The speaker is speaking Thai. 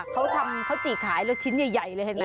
เขาทำข้าวจี่ขายแล้วชิ้นใหญ่เลยเห็นไหม